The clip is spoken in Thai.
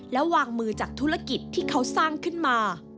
แล้ววางมือจากธุรกิจที่เขาสร้างขึ้นมา